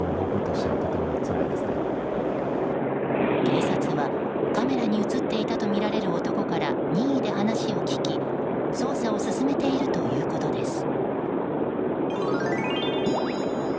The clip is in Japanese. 警察は、カメラに映っていたとみられる男から任意で話を聞き、捜査を進めているということです。